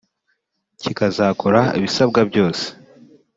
kikazakora ibisabwa byose